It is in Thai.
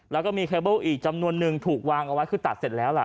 แล้วก็มีเคเบิ้ลอีกจำนวนนึงถูกวางเอาไว้คือตัดเสร็จแล้วล่ะ